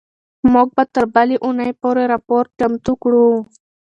موږ به تر بلې اونۍ پورې راپور چمتو کړو.